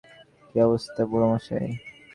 কী অবস্থা, বুড়ো মশাই?